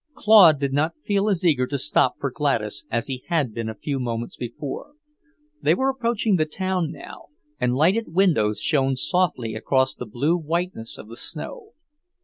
Claude did not feel as eager to stop for Gladys as he had been a few moments before. They were approaching the town now, and lighted windows shone softly across the blue whiteness of the snow.